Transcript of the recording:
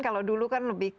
kalau dulu kan lebih